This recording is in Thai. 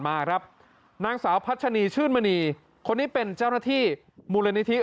มาครับนางสาวพัชนีชื่นมณีคนนี้เป็นเจ้าหน้าที่มูลนิธิ